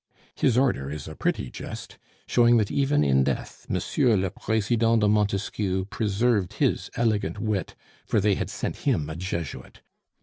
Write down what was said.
"His order is a pretty jest, showing that even in death Monsieur le President de Montesquieu preserved his elegant wit, for they had sent him a Jesuit.